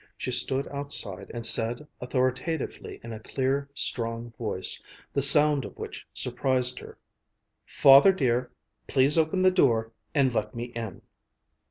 She stood outside and said authoritatively in a clear, strong voice, the sound of which surprised her, "Father dear, please open the door and let me in."